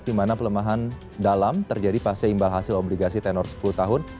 di mana pelemahan dalam terjadi pasca imbal hasil obligasi tenor sepuluh tahun